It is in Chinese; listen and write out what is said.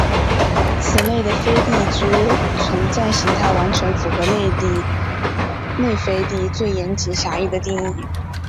此类的飞地之存在型态完全符合内飞地最严谨狭义的定义。